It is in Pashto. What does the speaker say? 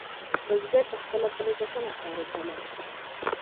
بزګر ته خپله پرېکړه سمه ښکارېدله.